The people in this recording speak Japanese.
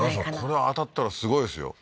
檀さん、これ当たったらすごいですよ。